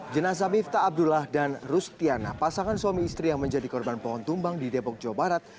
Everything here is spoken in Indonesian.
jenazah mifta abdullah dan rustiana pasangan suami istri yang menjadi korban pohon tumbang di depok jawa barat